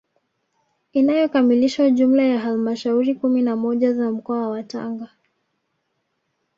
Inayokamilisha jumla ya halmashauri kumi na moja za mkoa wa Tanga